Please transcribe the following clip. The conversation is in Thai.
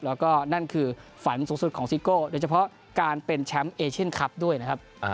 แล้วก็นั่นคือฝันสูงสุดของซิโก้โดยเฉพาะการเป็นแชมป์เอเชียนคลับด้วยนะครับ